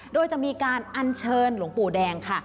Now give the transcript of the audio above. โดยจะมีการอัญเชิญหลวงปู่แดงค่ะ